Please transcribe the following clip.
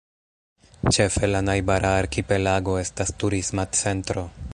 Ĉefe la najbara arkipelago estas turisma centro.